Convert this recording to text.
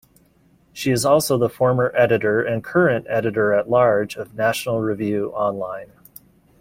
She is also the former editor and current editor-at-large of "National Review Online".